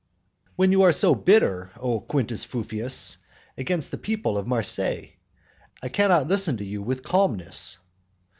When you are so bitter, O Quintus Fufius, against the people of Marseilles, I cannot listen to you with calmness.